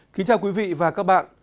kính chào quý vị và các bạn